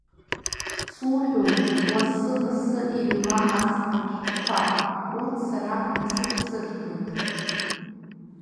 Суҳәоит, лассы-лассы иҩла асалам шәҟқәа, урҭ сара насыԥ сырҭоит.